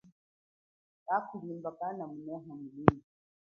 Kakhulimba kananumeya mulwiji.